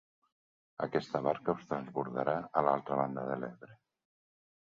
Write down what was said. Aquesta barca us transbordarà a l'altra banda de l'Ebre.